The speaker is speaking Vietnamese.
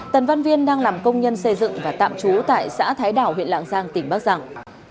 tần văn viên đang làm công nhân xây dựng và tạm trú tại xã thái đảo huyện lạng giang tỉnh bắc giang